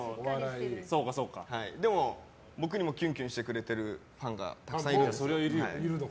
でも僕にもキュンキュンしてくれてるファンがたくさんいるんです。